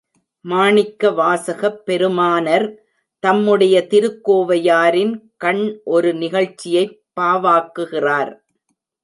மாணிக்கவாசகப் பெருமானர் தம்முடைய திருக்கோவையா ரின் கண் ஒரு நிகழ்ச்சியைப் பாவாக்குகிறார்.